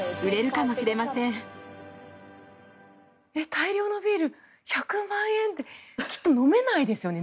大量のビール１００万円ってきっと飲めないですよね？